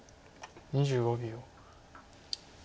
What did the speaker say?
２５秒。